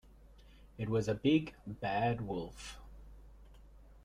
It was a big, bad wolf.